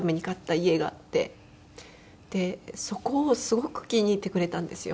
そこをすごく気に入ってくれたんですよ。